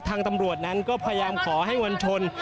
ทางตำรวจนั้นก็พยายามขอให้มวลชน